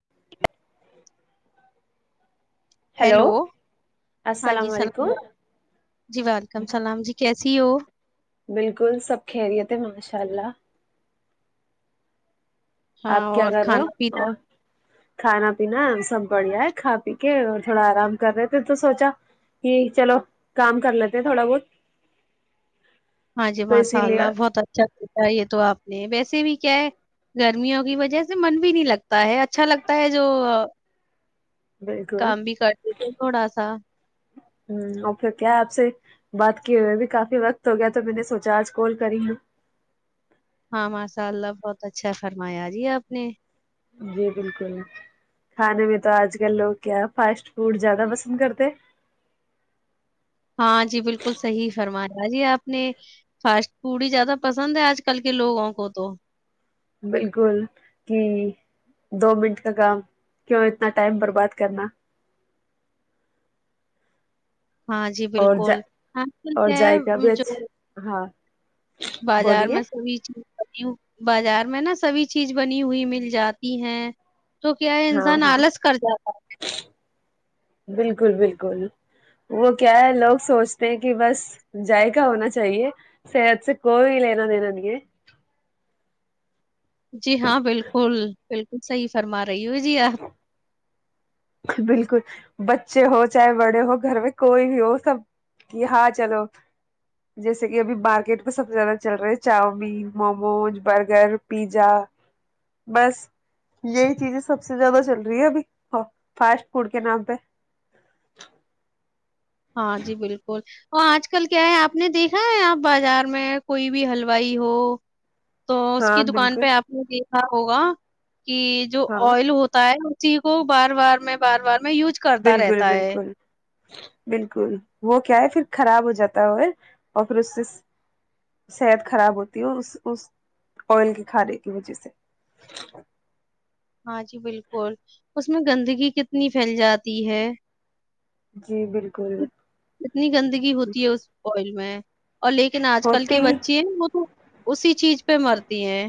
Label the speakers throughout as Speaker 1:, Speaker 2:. Speaker 1: [unintelligible] Hello ہاں جی
Speaker 2: السلام
Speaker 1: سلام
Speaker 2: علیکم
Speaker 1: جی ویلکم سلام جی کیسے سیو
Speaker 2: بالکل سب خیریت ہے ماشاء اللہ
Speaker 1: ہاں
Speaker 2: آپ کیا
Speaker 1: اور
Speaker 2: کر رہے ہو
Speaker 1: کھانا پینا
Speaker 2: اور کھانا ناا سم پڑیا ہے کھا پی کے اور تھوڑا آرام کر رہے تھے تو سوچا کہ چلو کام کر لیتے تھوڑا بہت
Speaker 1: ہاں جی
Speaker 2: تو اسی
Speaker 1: ماشاء
Speaker 2: لیے
Speaker 1: اللہ بہت اچھا چتا ہے یہ تو آپ نہیں ویسے بھی کیا ہے گرمیوں کی وجہ سے من بھی نہیں لگتا ہے اچھا لگتا ہے جو
Speaker 2: بالکل
Speaker 1: کام بھی کر دیتے تھوڑا سا
Speaker 2: ہ اوکھر کیا آپ سے بات کی ہوئے اب کافی وقت ہو گیا تو میں نے سوچا آج کال کری ہوں
Speaker 1: ہاں ماشاء اللہ بہت اچھا فرمایا آ جی آپ نے
Speaker 2: جی بالکل کھانے میں تو آج کل لوگ کیا فاسٹ فوڈ زیادہ پسند کرتے
Speaker 1: ہاں جی بالکل صحیح فرمایا جی آپ نے فاسٹ فوڈ ہی زیادہ پسند ہے آج کل کے لوگوں کو تو
Speaker 2: بالکل کہ دو منٹ کا کام کیوں اتنا ٹائم پر بات کرنا
Speaker 1: ہاں جی
Speaker 2: اور ج
Speaker 1: بالکل آل
Speaker 2: اور
Speaker 1: کیا ہے
Speaker 2: ذائقہ بھی
Speaker 1: جو
Speaker 2: اچھا ہاں
Speaker 1: بازار
Speaker 2: بولیے
Speaker 1: میں سبھی چیز بازار میں نا سبھی چیز بنی ہوئی مل جاتی ہیں تو کیا
Speaker 2: ہاں
Speaker 1: انسان
Speaker 2: ہاں
Speaker 1: آلس کر جاتا ہے
Speaker 2: بالکل بالکل وہ کیا ہے لوگ سوچتے ہیں کہ بس جذائقا ہونا چاہیے صحت سے کوئی لینا دینا نہیں ہے
Speaker 1: جی ہاں بالکل بالکل صحیح فرما ریوجیا
Speaker 2: بالکل بچے ہو چاہے بڑے ہو گھر میں کوئی بھی ہو سب کہ ہاں چلو جیسے کہ ابھی مارکیٹ میں سب سے زیادہ چل رہے چاؤمین موموز برگر پیزا بس یہی چیزیں سب سے زیادہ چل رہی ہے ابھیاں فاسٹ فوڈ کے نام پہ
Speaker 1: ہاں جی بالکل وہ آج کل کیا ہے آپ نے دیکھا ہے آپ بازار میں کوئی بھی ہلوائی ہو تو اس
Speaker 2: ہاں
Speaker 1: کی دکان
Speaker 2: بالکل
Speaker 1: پہ آپ نے کیا ہوگا کہ جو
Speaker 2: ہاں
Speaker 1: آئل ہوتا ہے سیھو بار بار میں بار بار میں یوز کرتا
Speaker 2: بالکل
Speaker 1: رہتا ہے
Speaker 2: بالکل بالکل وہ کیا ہے پھر خراب ہو جاتا ہو اور پھر اس سے صحت خراب ہوتی ہو اس اس آئل کے کھانے کی وجہ سے
Speaker 1: ہاں جی بالکل اس میں گندگی کتنی پھیل جاتی ہے
Speaker 2: جی بالکل
Speaker 1: کتنی گندگی ہوتی ہے اس آئل میں اور لیکن آج کل
Speaker 2: ہوتی
Speaker 1: کے بچے ہیں وہ تو اسی چیز پہ مرتی ہیں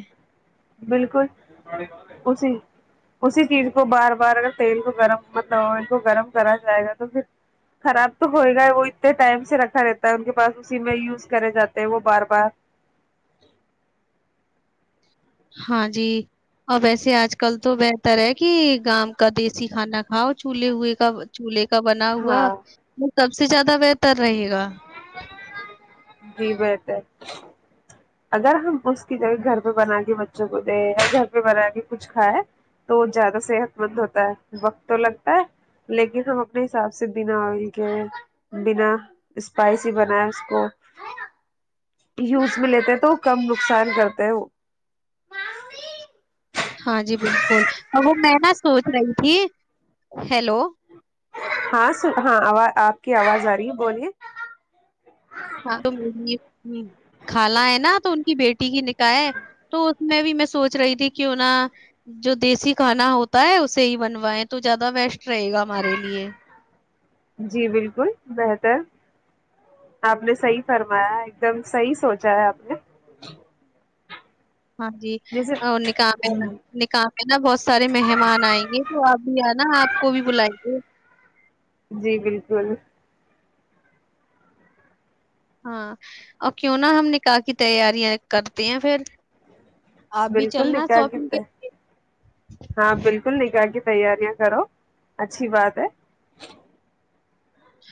Speaker 2: بالکل اسی اسی چیز کو بار بار اگر تیل کو گرم مطلب کو گرم کرا جائے گا تو پھر خراب تو ہوئے گا وہ اتنے ٹائم سے رکھا رہتا ہے ان کے پاس اسی میں یوز کرے جاتے ہیں وہ بار بار
Speaker 1: ہاں جی اور ویسے آج کل تو بہتر ہے کہ گام کا دیسی کھانا کھاؤ چولہے ہوئے کا چلہے کا بنا ہوا
Speaker 2: ہاں
Speaker 1: سب سے زیادہ بہتر رہے گا
Speaker 2: جی بہتر اگر ہم اس کی جگہ گھر پہ بنا کے بچوں کو دیں یا گھر پہ بنا کے کچھ کھائے تو زیادہ صحت مند ہوتا ہے وقت تو لگتا ہے لیکن ہم اپنے حساب سے بنا آئل کے بنا اسپائسی بنائے اس کو یوز بھی لیتے تو کم نقصان کرتا ہے وہ
Speaker 1: ہاں جی بالکل اور وہ میں نا سوچ رہی تھی ہیلو
Speaker 2: ہاں ہاںواز آپ کی آواز آ رہی ہے بولیے
Speaker 1: ہاں تو م کالانہ ہے نا تو ان کی بیٹی کی نکاح تو اس میں بھی میں سوچ رہی تھی کہ نہ جو دیسی کھانا ہوتا ہے اسے ہی بنوائائے تو زیادہ بیسٹ رہے گا ہمارے لیے
Speaker 2: جی بالکل بہتر آپ نے صحیح فرمایا ایک دم صحیح سوچا ہے آپ نے
Speaker 1: ہاں جی
Speaker 2: جیسے
Speaker 1: اور نکح ہے
Speaker 2: ہ
Speaker 1: نکح ہے نا بہت سارے مہمان آئیں گے تو آپ بھی آناا آپ کو بھی بلائیے
Speaker 2: جی بالکل
Speaker 1: ہاں اور کیوں نہا ہم نکاح کی تیاریاں کرتے ہیں پھر آپ بھی
Speaker 2: بالکل
Speaker 1: چلنا شاپنگ
Speaker 2: دیکھگت
Speaker 1: کے
Speaker 2: ہاں بلکل دیکھگ تیاریاں کرو اچھی بات ہے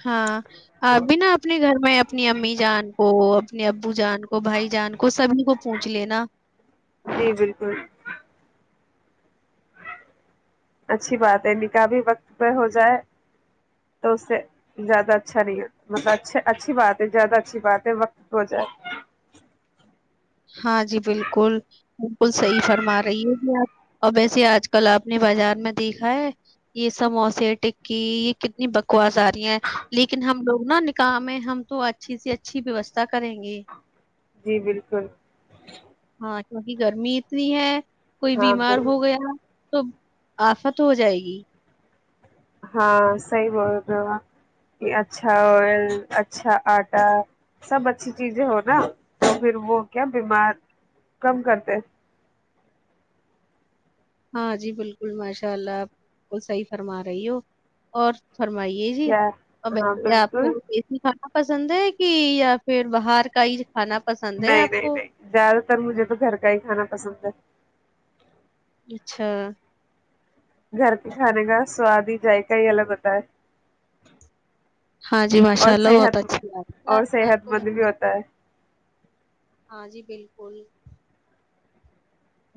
Speaker 1: ہاں بنا اپنے گھر میں اپنی امی جان کو اپنے ابو جان کو بھائی جان کو سبھی کو پوچھ لینا
Speaker 2: جی بالکل اچھی بات ہے نکاح بھی وقت پہ ہو جائے تو اس سے زیادہ اچھا نہیں مطلب اچھا اچھی بات ہے زیادہ اچھی بات ہے وقت پہ ہو جائے
Speaker 1: ہاں جی بالکل بالکل صحیح فرما رہی ہے ج آپ اور ویسے آج کل آپ نے بازار میں دیکھا ہے یہ سموسے ٹکی یہ کتنی بکواس آ رہی ہیں لیکن ہم لوگ نا نکح ہے ہم تو اچھی سی اچھی ویوستھا کریں گے
Speaker 2: جی بالکل
Speaker 1: ہاں کیونکہ گرمی اتنی ہے کوئی
Speaker 2: ہاں
Speaker 1: بیمار ہو گیا تو آف تو ہو جائے گی
Speaker 2: ہاں صحیح بول رہے کہ اچھا آئل اچھا آٹا سب اچھی چیزیں ہو نا تو پھر وہ کیا بیمار کم کرتے
Speaker 1: ہاں جی بالکل ماشاء اللہ آپ کو صحیح فرما رہی ہو اور فرمائیے جی
Speaker 2: کیا ہاں
Speaker 1: اورسے آپ
Speaker 2: بالکل
Speaker 1: کو اے سی کھانا پسند ہے کہ یا پھر باہر کا ہی کھانا پسند ہے
Speaker 2: نہیں
Speaker 1: آپ
Speaker 2: نہیں
Speaker 1: کو
Speaker 2: نہیں زیادہ تر مجھے تو گھر کا ہی کھانا پسند ہے
Speaker 1: اچھا
Speaker 2: گھر کے کھانے کا سواد ہی جذائقہ ہی الگ ہوتا ہے
Speaker 1: ہاں جی ماشاء
Speaker 2: اور
Speaker 1: اللہ بہت
Speaker 2: صحت
Speaker 1: اچھی
Speaker 2: اور
Speaker 1: بات آپ
Speaker 2: صحت
Speaker 1: کو
Speaker 2: مند بھی ہوتا ہے
Speaker 1: ہاں جی بالکل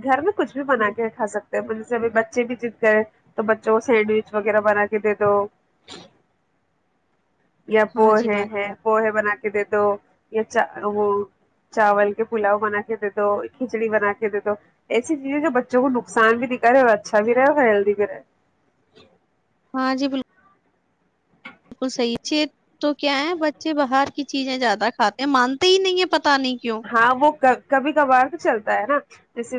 Speaker 2: دھرم کچھ بھی بنا کے کھا ستے ہیں مطل ج بچے بھی جت گئے تو بچوں کو سینڈوچ وغیرہ بنا کے دے دو یا
Speaker 1: ہاں جی
Speaker 2: پوہے ہے
Speaker 1: ماشاء
Speaker 2: پوہے بنا کے دے دو یا وہ چاول کے پلاؤ بنا کے دے دو کھچڑی بنا کے دے دو ایسی چیزیں جو بچوں کو نقصان بھی دکھا رہے اور اچھا بھی رہے اور ہیلدی بھی رہے
Speaker 1: ہاں جی بالکل بالکل صحیح چ تو کیا ہے بچے باہر کی چیزیں زیادہ کھاتے ہیں مانتے ہی نہیں ہے پت
Speaker 2: ہاں وہ کبھی کبھار تو چلتا ہے نا جیسے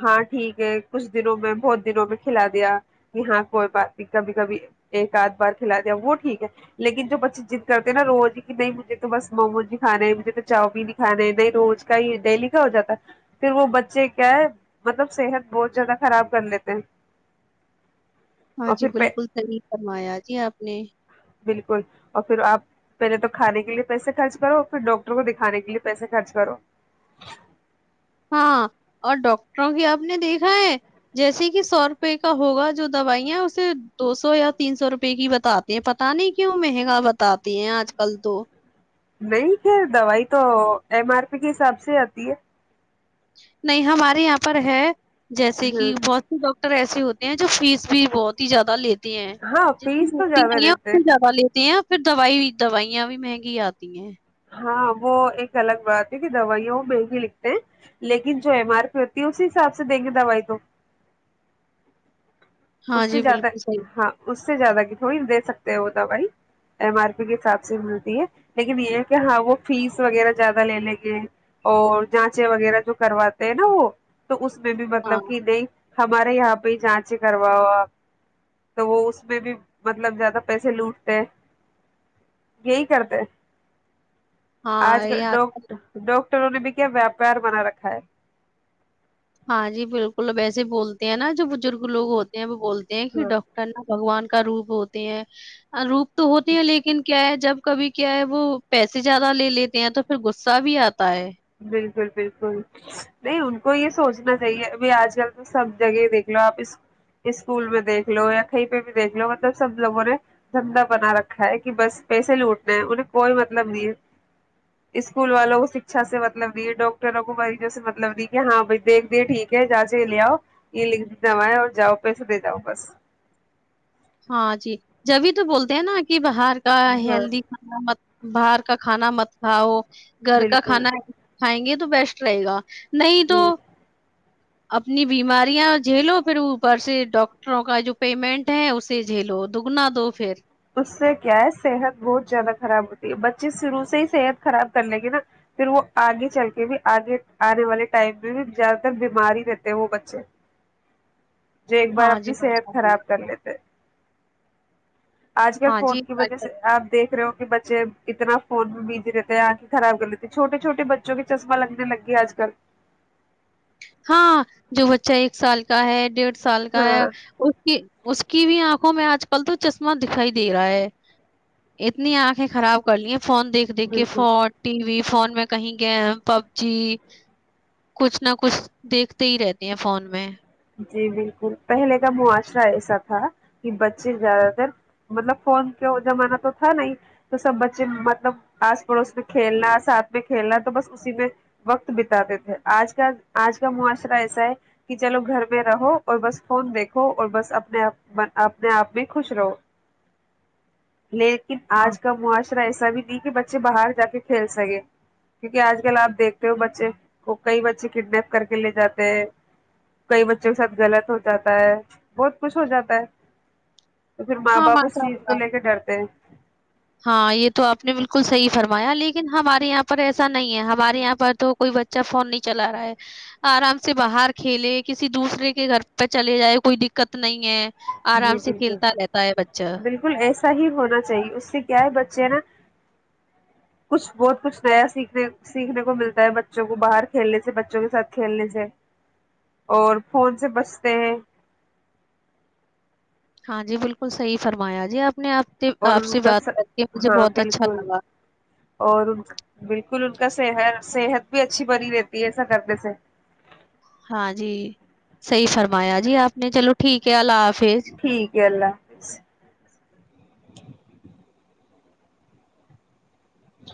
Speaker 2: ہاں ٹھیک ہے کچھ دنوں میں بہت دنوں میں کھلا دیا کہ ہاں کوئی بات نہیں کبھی کبھی ایک آدھ بار کھلا دیا وہ ٹھیک ہے لیکن جو بچے جضد کرتے ہیں نا روز کہ نہیں مجھے تو بس موموز ہی کھانے مجھے تو چاؤ پین ہی کھانے روز کا ہی ڈیلی کا ہو جاتا ہے پھر وہ بچے کیا ہے مطلب صحت بہت زیادہ خراب کر لیتے ہیں
Speaker 1: ہاں
Speaker 2: اور
Speaker 1: جی
Speaker 2: پھر
Speaker 1: بالکل صحیح فرمایا جی آپ نے
Speaker 2: بالکل اور پھرپ پہلے تو کھے کے لیے پیسے خرچ کرو پھر ڈاکٹر کو دکھانے کے لیے پیسے خرچ سو
Speaker 1: ہاں اور ڈاکٹروں کی آپ نے دیکھا ہے جیسے کہ سو روپئے کا ہوگا جو دوائیاں اسے دو سو یا تین سو روپئے کی بتاتے ہیں پتا نہیں کیوں مہنگا بتاتے ہیں آج کل تو
Speaker 2: نہیں پھر دوائی تو ایم آر پی کے حساب سے آتی ہے
Speaker 1: نہیں ہمارے یہاں پر ہے جیسے
Speaker 2: ہ
Speaker 1: کہ بہت سی ڈ ر ایسے ہوتے ہیں جو فیس بھی بہت ہی زیادہ لیتے
Speaker 2: ہاں
Speaker 1: جتنی
Speaker 2: فیس تو
Speaker 1: ہوتی آ
Speaker 2: زیادہ
Speaker 1: ہیں
Speaker 2: لیتے
Speaker 1: اتنی زیادہ لیتی ہیں پھر دوائی دوائیا بھی مہنگی آتی ہیں
Speaker 2: ہاں وہ ایک الگ بات ہے کہ دوائیاں وہ مہنگی لکھتے ہیں لیکن جو ایم آر پی ہوتی ہے اسی حساب سے دیں گے دوائی تو
Speaker 1: ہاں
Speaker 2: اس سے
Speaker 1: جی
Speaker 2: زیادہ
Speaker 1: بالکل صحیح
Speaker 2: ہاں اس سب سے زیادہ کی تھوڑی دے سکتے ہیں وہ دوائی ایم آر پی کے حساب سے ملتی ہے لیکن یہ ہے کہ ہاں وہ فیس وغیرہ زیادہ لے لیں گے اور جانچے وغیرہ جو کرواتے ہیں نا وہ تو اس میں بھی
Speaker 1: ہاں
Speaker 2: مطلب کہ نہیں ہمارے یہاں پہ ہی جانچ کروا ہوا تو وہ اس میں بھی مطلب زیادہ پیسے لوٹتے یہی کرتے آج کل ڈٹر ڈٹ وں نے بھی کیا ویاپار بنا رکھا ہے
Speaker 1: ہاں جی بالکل اب اییسے بولتے ہیں نا جو بزرگ لوگ ہوتے ہیں وہ بولتے دیں کہ ڈاکٹر نے بگوان کا روپ ہوتے ہیں روپ تو ہوتی ہیں لیکن کیا ہے جب کبھی کیا ہے وہ پیسے زیادہ لے لیتے ہیں تو پھر غصہ بھی آتا ہے
Speaker 2: بالکل بالکل نہیں ان کو یہ سوچنا چاہیے ابھی آج کل تو سب جگہ دیکھ لو آپ اسکول میں دیکھ لو یا کہیں پہ بھی دیکھ لو مطلب سب لوگوں نے دھندا بنا رکھا ہے کہ بس پیسے لوٹنے ہے انہیں کوئی مطلب نہیں ہے اسکول والوں کو اچھا سے مطلب دی ڈاکٹروں کو مریجوں سے مطلب دی کہ ہاں بھائی دیکھ دیے ٹھیک ہے جاچے لے آؤ یہ لکھ دوائیں اور جاؤ پیسے دے جاؤ بس
Speaker 1: ہاں جی جبھی تو بولتے ہیں نا کہ باہر کا
Speaker 2: ہاں
Speaker 1: ہیلدی کھانا م باہر کا کھانا مت کھاؤ گھر کا
Speaker 2: بالکل
Speaker 1: کھانا ہے کھائیں گے تو بیسٹ رہے گا نہیں تو
Speaker 2: جی
Speaker 1: اپنی بیماریاں جھیلو پھر اوپر سے ڈاکٹروں کا جو پیمنٹ ہے اس سے جلو دگنا دو پھر
Speaker 2: اس سے کیا ہے صحت بہت زیادہ خراب ہوتی ہے بچے شروع سے ہی صحت خراب کر لیں گے نا پھر وہ آگے چل کے بھی آگے آنے والے ٹائم میں بھی زیادہ تر بیمار ہی رہتے ہیں وہ بچے جو ایک بار
Speaker 1: ہاں جی،
Speaker 2: اپنی صحت
Speaker 1: ماشاء اللہ،
Speaker 2: خراب کر لیتے آج کل
Speaker 1: ہاں
Speaker 2: فون
Speaker 1: جی،
Speaker 2: کی وجہ
Speaker 1: ماشاء
Speaker 2: سے
Speaker 1: اللہ۔
Speaker 2: آپ دیکھ رہے ہو بچے اتنا فون میں بزی رہتے ہیں آنکھیں خراب کر لیتے چھوٹے چھوٹے بچوں کے چشمہ لگنے لگ گیا آج کل
Speaker 1: ہاں جو بچہ ایک سال کا ہے ڈیڑھ سال کا ہے
Speaker 2: ہاں
Speaker 1: اس کی اس کی بھی آنکھوں میں آج کل تو چشمہ دکھائی دے رہا ہے اتنی آنکھیں خراب کر لی فون دیکھ دیک کے ف
Speaker 2: بالکل
Speaker 1: ٹی وی فون میں کہیں گیم پب جی کچھ نہ کچھ دیکھتے ہی رہتے ہیں فون میں
Speaker 2: جی بالکل پہلے کا معاشرہ ایسا تھا کہ بچے زیادہ تر مطلب فون کا زمانہ تو تھا ن ہی تو سب بچے مطلب آس پڑوس میں کھیلنا ساتھ میں کھیلنا تو بس اسی میں وقت بتاتے تھے آج کا آج کا معاشرہ ایسا ہے کہ چلو گھر میں رہو اور بس فون دیکھو اور بس اپنے اپنے آپ میں خوش رہو لیکن
Speaker 1: ہاں
Speaker 2: آج کا معاشرہ ایسا بھی کہ بچے باہر جا کے کھیل سکے کیونکہ آج کل آپ دیکھتے ہو بچے کو کئی بچے کڈنیپ کر کے لے جاتے ہیں کئی بچوں کے ساتھ غلط ہو جاتا ہے بہت کچھ ہو جاتا ہے تو پھر ماں
Speaker 1: ہاں م
Speaker 2: باپ اس چیز کو لے کے ڈرتے ہیں
Speaker 1: ہاں یہ تو آپ نے بالکل صحیح فرمایا لیکن ہمارے یہاں پر ایسا نہیں ہے ہمارے یہاں پر تو کوئی بچہ فون نہیں چلا رہا ہے آرام سے باہر کھیلے کسی دوسرے کے گھر پہ چلے جائے کوئی دقت نہیں ہے آرام
Speaker 2: جی
Speaker 1: سے کھیلتا رہتا تا ہے بچا
Speaker 2: صحیح ہونا چاہیے اس سے کیا ہے بچے نا کچھ بہت کچھ نیا سیکھنے سیکھنے کو ملتا ہے بچوں کو باہر کھیلنے سے بچوں کے ساتھ کھیلنے سے اور فون سے بچتے ہیں
Speaker 1: ہاں جی بالکل صحیح فرمایا جی آپ نے آپ سے
Speaker 2: اور
Speaker 1: آپ
Speaker 2: ان
Speaker 1: سے
Speaker 2: کا
Speaker 1: بات
Speaker 2: س
Speaker 1: کر کے مجھے
Speaker 2: ہاں
Speaker 1: بہت اچھا
Speaker 2: بالکل
Speaker 1: لگا
Speaker 2: اور ان کا بالکل بالکل ان کا صحت بھی اچھی بنی رہتی ہے ایسا کرنے سے
Speaker 1: ہاں جی صحی فرمایا جی آپ نے چلو ٹھیک ہے اللہ حافظ
Speaker 2: ٹھیک ہے اللہ حافظ ج